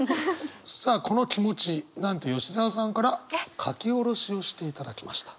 さあこの気持ちなんと吉澤さんから書き下ろしをしていただきました。